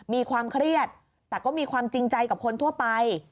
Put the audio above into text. มีความเครียดแต่ก็มีความจริงใจกับคนทั่วไป